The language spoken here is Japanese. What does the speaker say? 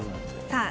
さあ